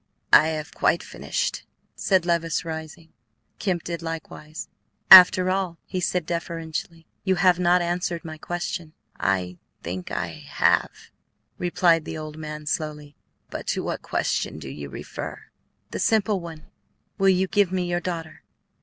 "I have quite finished," said Levice, rising. Kemp did likewise. "After all," he said deferentially, "you have not answered my question." "I think I have," replied the old man, slowly. "But to what question do you refer?" "The simple one, will you give me your daughter?"